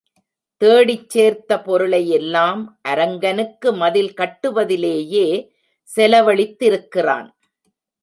தேடிச் சேர்த்த பொருளை எல்லாம், அரங்கனுக்கு மதில் கட்டுவதிலேயே செலவழித்திருக்கிறான்.